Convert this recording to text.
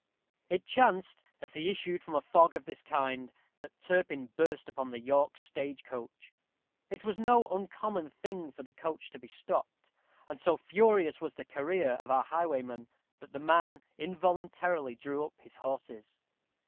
It chanced, as he issued from a fog of this kind, that Turpin burst upon the York stage coach. It was no uncommon thing for the coach to be stopped; and so furious was the career of our highwayman, that the man involuntarily drew up his horses.